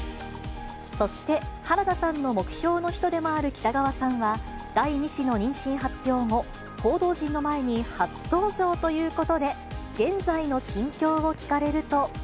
そして、原田さんの目標の一人でもある北川さんは、第２子の妊娠発表後、報道陣の前に初登場ということで、現在の心境を聞かれると。